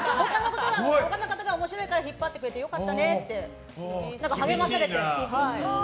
他の方が面白いから引っ張ってくれてよかったねって、励まされて。